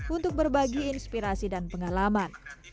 untuk berbagi inspirasi dan pengalaman